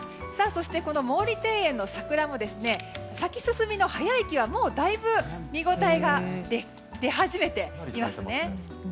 そして、この毛利庭園の桜も咲き進みの早い木はもうだいぶ見応えが出始めていますね。